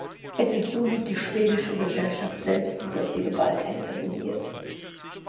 Es ist somit die schwedische Gesellschaft selbst, die solche Gewalttäter gebiert.